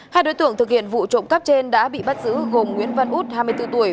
hai đối tượng thực hiện vụ trộm cắp trên đã bị bắt giữ gồm nguyễn văn út hai mươi bốn tuổi